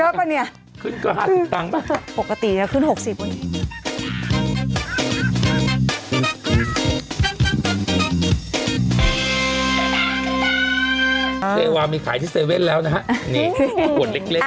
เฮวามีขายที่๗๑๑แล้วนะฮะอุ่นเล็ก